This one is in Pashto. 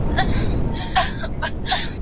زه له سهاره ږغ اورم؟